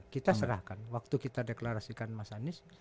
kita serahkan waktu kita deklarasikan mas anies